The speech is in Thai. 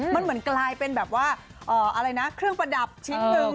มันเหมือนกลายเป็นแบบว่าอะไรนะเครื่องประดับชิ้นหนึ่ง